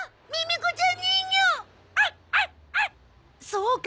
そうか！